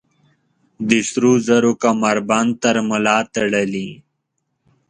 د سروزرو کمربند تر ملا تړلي